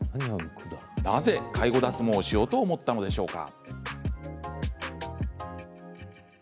なぜ介護脱毛をしようと思ったのでしょうか。